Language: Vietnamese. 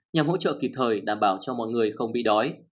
nhằm hỗ trợ kịp thời đảm bảo cho mọi người không bị đói